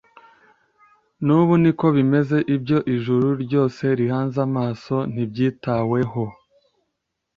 Nubu niko bimeze. Ibyo ijuru ryose rihanze amaso, ntibyitaweho,